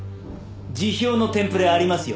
辞表のテンプレありますよ。